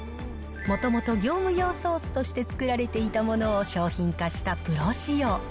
もともと、業務用ソースとして作られていたものを商品化したプロ仕様。